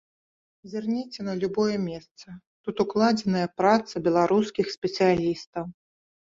Зірніце на любое месца, тут укладзеная праца беларускіх спецыялістаў.